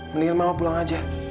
mendingan mama pulang aja